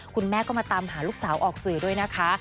คุณแม่ก็มาตามหาลูกสาวออกสื่อด้วยนะคะ